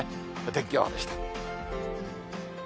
天気予報でした。